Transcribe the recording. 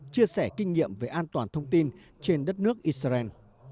chia sẻ kinh nghiệm về an toàn thông tin trên đất nước israel